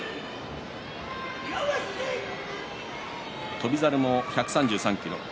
翔猿も１３３ｋｇ。